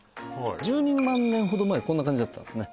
１２万年ほど前こんな感じだったんですね